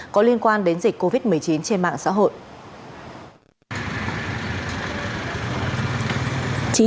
có liên quan đến dịch covid một mươi chín trên mạng xã hội